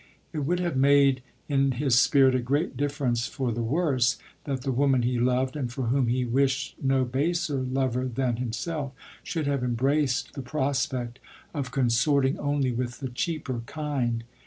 It would have made in his spirit a great difference for the worse that the woman he loved, and for whom he wished no baser lover than himself, should have embraced the prospect of consorting only with the cheaper kind.